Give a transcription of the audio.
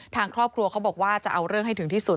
ทางครอบครัวเขาบอกว่าจะเอาเรื่องให้ถึงที่สุด